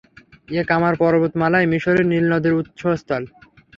এ কামার পর্বতমালাই মিসরের নীল নদের উৎসস্থল।